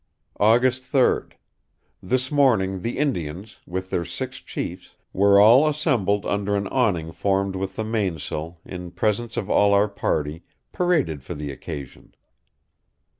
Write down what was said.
"August 3d. This morning the Indians, with their six chiefs, were all assembled under an awning formed with the mainsail, in presence of all our party, paraded for the occasion.